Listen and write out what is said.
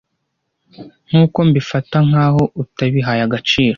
nkuko mbifata nkaho utabihaye agaciro